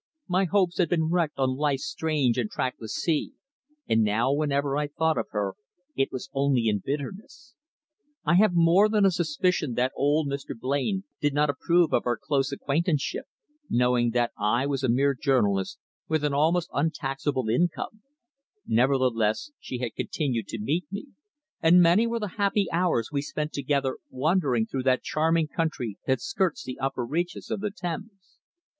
My hopes had been wrecked on Life's strange and trackless sea, and now whenever I thought of her it was only in bitterness. I have more than a suspicion that old Mr. Blain did not approve of our close acquaintanceship, knowing that I was a mere journalist with an almost untaxable income; nevertheless, she had continued to meet me, and many were the happy hours we spent together wandering through that charming country that skirts the upper reaches of the Thames.